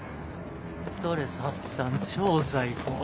ストレス発散超最高。